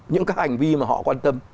những các hành vi mà họ quan tâm